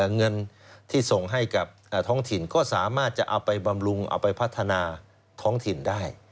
เงินที่ส่งให้กับท้องถิ่นก็สามารถจะเอาไปบำรุงเอาไปพัฒนาท้องถิ่นได้